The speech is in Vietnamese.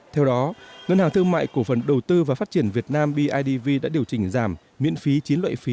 theo đó ngân hàng thương mại cổ phần đầu tư và phát triển việt nam bidv đã điều chỉnh giảm miễn phí chín loại phí